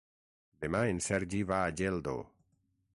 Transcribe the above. Demà en Sergi va a Geldo.